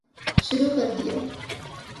شروع کردیا